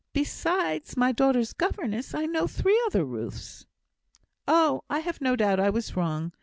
Besides my daughters' governess, I know three other Ruths." "Oh! I have no doubt I was wrong.